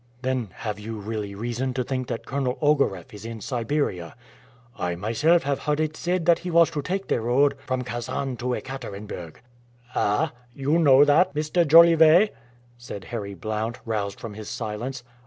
"Then have you really reason to think that Colonel Ogareff is in Siberia?" "I myself have heard it said that he was to take the road from Kasan to Ekaterenburg." "Ah! you know that, Mr. Jolivet?" said Harry Blount, roused from his silence.